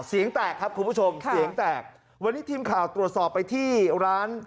เสียงแตกครับคุณผู้ชมเสียงแตกวันนี้ทีมข่าวตรวจสอบไปที่ร้าน